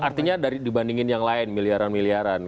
artinya dibandingin yang lain miliaran miliaran